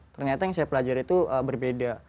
ternyata yang saya pelajari itu berbeda